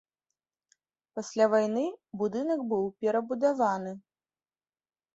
Пасля вайны будынак быў перабудаваны.